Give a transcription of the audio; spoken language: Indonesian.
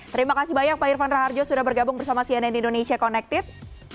terima kasih banyak pak irfan raharjo sudah bergabung bersama cnn indonesia connected